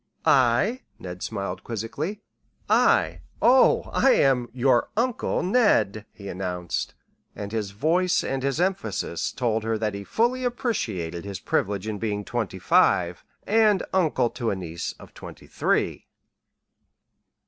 "I?" Ned smiled quizzically. "I? Oh, I am your Uncle Ned!" he announced; and his voice and his emphasis told her that he fully appreciated his privilege in being twenty five and uncle to a niece of twenty three.